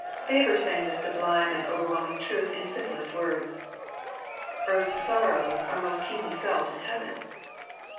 Faber sang this sublime and overwhelming truth in simplest words, " Earth's sorrows are most keenly felt in heaven."